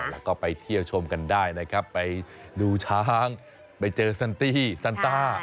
แล้วก็ไปเที่ยวชมกันได้นะครับไปดูช้างไปเจอซันตี้ซันต้า